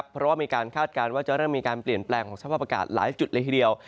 เพราะว่ามีการคาดการณ์ว่าจะเริ่มมีการเปลี่ยนแปลงของสภาพอากาศหลายจุดเลยทีเดียว